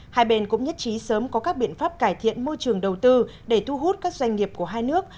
hai bên cũng nhất trí sớm có các biện pháp cải thiện môi trường đầu tư để thu hút các doanh nghiệp của hai nước